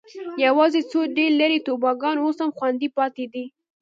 یوازې څو ډېر لرې ټاپوګان اوس هم خوندي پاتې دي.